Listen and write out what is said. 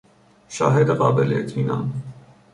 شاهد قابل اطمینان